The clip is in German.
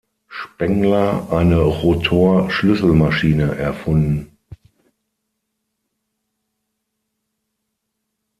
Spengler eine Rotor-Schlüsselmaschine erfunden.